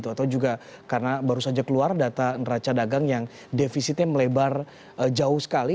atau juga karena baru saja keluar data neraca dagang yang defisitnya melebar jauh sekali